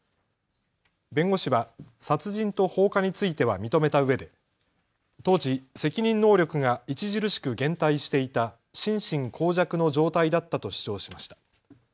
弁護士は殺人と放火については認めたうえで当時、責任能力が著しく減退していた心神耗弱の状態だったと主張しました。